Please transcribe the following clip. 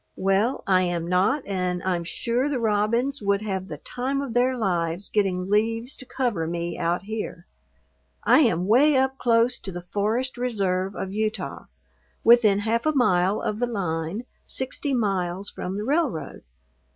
Well, I am not and I'm sure the robins would have the time of their lives getting leaves to cover me out here. I am 'way up close to the Forest Reserve of Utah, within half a mile of the line, sixty miles from the railroad.